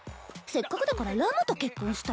せっかくだからラムと結婚したら？